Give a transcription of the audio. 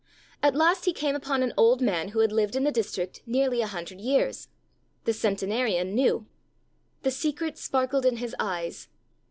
At last he came upon an old man who had lived in the district nearly a hundred years. The centenarian knew. The secret sparkled in his eyes.